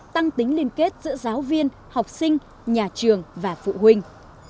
tăng tính liên kết giữa giáo viên học sinh nhà trường và phụ huynh